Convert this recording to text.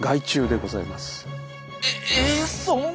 えそんな！